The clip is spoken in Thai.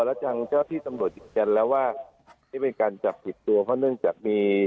แล้วทางเจ้าที่ตำรวจยืนยันแล้วว่านี่เป็นการจับผิดตัวเพราะเนื่องจากมี